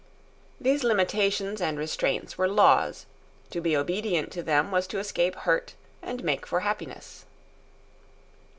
These limitations and restraints were laws. To be obedient to them was to escape hurt and make for happiness.